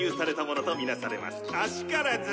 「あしからず！」